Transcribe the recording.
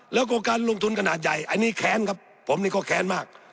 แล้วก็การลงทุนขนาดใหญ่อันนี้แค้นครับผมนี่ก็แค้นมาก